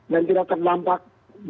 dan tidak terdampak